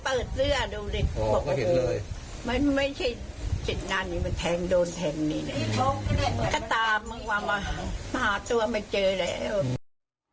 ก็ตามึงมามาหาตัวมาเจอแล้ว